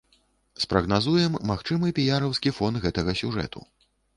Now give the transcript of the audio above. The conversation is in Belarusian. Спрагназуем магчымы піяраўскі фон гэтага сюжэту.